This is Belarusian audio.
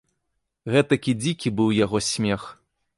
Гэтакі дзікі быў яго смех.